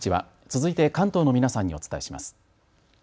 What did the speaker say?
続いて関東の皆さんにお伝えします。